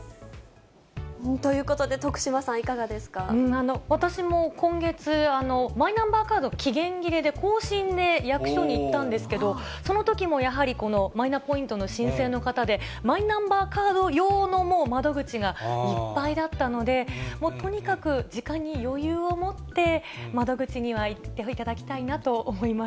ということで、徳島さん、私も今月、マイナンバーカードの期限切れで、更新で役所に行ったんですけど、そのときもやはり、このマイナポイントの申請の方で、マイナンバーカード用の窓口がいっぱいだったので、もうとにかく、時間に余裕を持って、窓口には行っていただきたいなと思います。